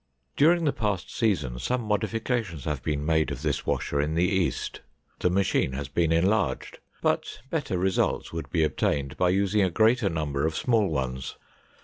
During the past season some modifications have been made of this washer in the east. The machine has been enlarged, but better results would be obtained by using a greater number of small ones.